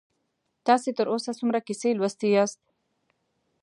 تاسې تر اوسه څومره کیسې لوستي یاست؟